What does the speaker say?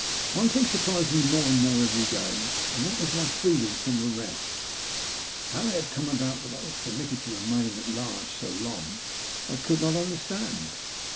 I TELL MY STOBY, 238 One thing surprised me more and more every day, and that was my freedom from arrest ; how it had come about that I was permitted to remain at large so long I could not understand.